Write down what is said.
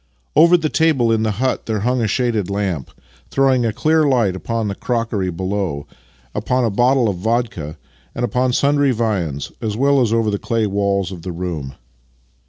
Over the table in the hut there hung a shaded lamp, throwing a clear light upon the crockery below, upon a bottle of vodka, and upon sundry viands, as well as over the clay walls of the room.